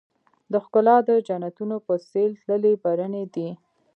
د ښــــــــکلا د جنــــــتونو په ســـــــېل تللـــــــی برنی دی